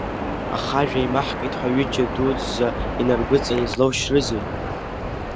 Аха ажәа еимаҳкит ҳәа ҩыџьа дуӡӡа инаргәыдҵаны излоушьрызеи?!